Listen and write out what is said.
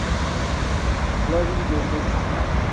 Lady, Be Good!